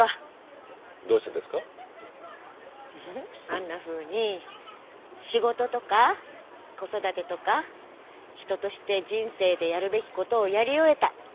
あんなふうに仕事とか子育てとか人として人生でやるべきことをやり終えた。